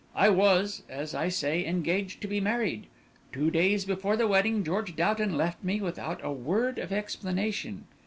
I was, as I say, engaged to be married. Two days before the wedding George Doughton left me without a word of explanation.